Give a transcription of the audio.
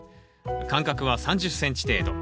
間隔は３０ｃｍ程度。